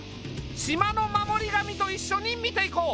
島の守り神と一緒に見ていこう。